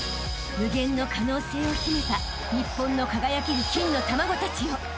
［無限の可能性を秘めた日本の輝ける金の卵たちよ］